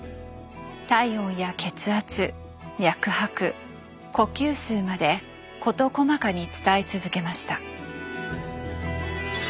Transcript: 体温や血圧脈拍呼吸数まで事細かに伝え続けました。